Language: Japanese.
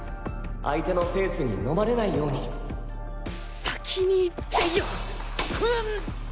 相手のペースにのまれないように先に言ってよ！フン！